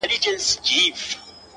o هغه چي هيڅوک نه لري په دې وطن کي؛